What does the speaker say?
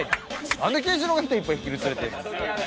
何でケンシロウが人いっぱい引き連れてんねん！